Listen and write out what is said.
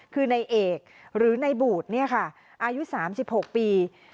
คือในเอกหรือในบูดเนี่ยค่ะอายุ๓๖ปี